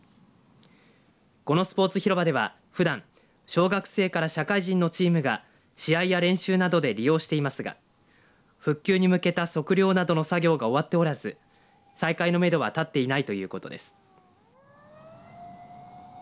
このスポーツ広場では、ふだん小学生から社会人のチームが試合や練習などで利用していますが復旧に向けた測量などの作業が終わっておらず再開のめどは立っていないということです。